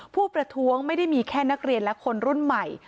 ผู้ประท้วงไม่ได้มีแค่นักเรียนและคนรุ่นใหม่